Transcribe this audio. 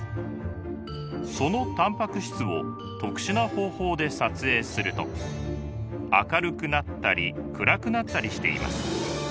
そのタンパク質を特殊な方法で撮影すると明るくなったり暗くなったりしています。